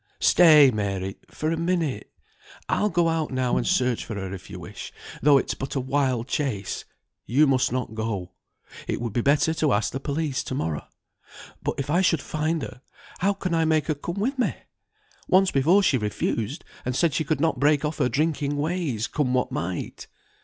"Stay, Mary, for a minute; I'll go out now and search for her if you wish, though it's but a wild chase. You must not go. It would be better to ask the police to morrow. But if I should find her, how can I make her come with me? Once before she refused, and said she could not break off her drinking ways, come what might?"